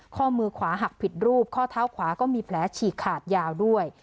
ข้อมือขวาหักผิดรูปข้อเท้าขวาก็มีแผลฉีกขาดยาวด้วย